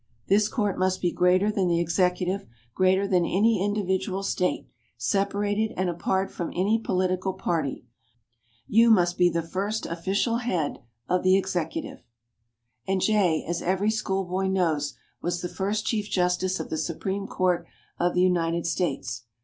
This Court must be greater than the Executive, greater than any individual State, separated and apart from any political party. You must be the first official head of the Executive." And Jay, as every schoolboy knows, was the first Chief Justice of the Supreme Court of the United States.